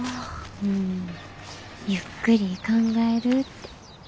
うんゆっくり考えるって。